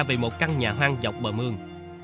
về một căn nhà hoang dọc bờ mương